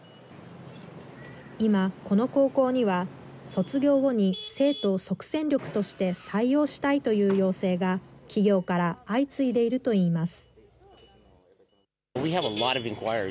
今、この高校には、卒業後に生徒を即戦力として採用したいという要請が、企業から相次いでいるといいます。